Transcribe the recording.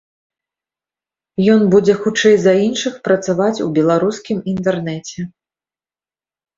Ён будзе хутчэй за іншых працаваць у беларускім інтэрнэце.